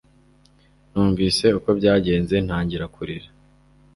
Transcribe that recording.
Numvise uko byagenze ntangira kurira